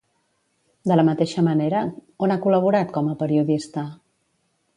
De la mateixa manera, on ha col·laborat com a periodista?